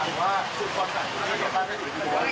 ที่บอกว่าขายเซือสีดีคือเราไม่ได้อยู่วันปุ่น